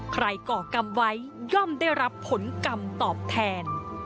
ก่อกรรมไว้ย่อมได้รับผลกรรมตอบแทน